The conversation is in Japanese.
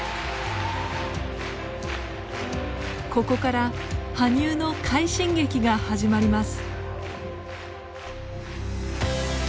ここから羽生の快進撃が始まります。